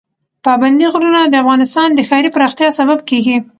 پابندی غرونه د افغانستان د ښاري پراختیا سبب کېږي.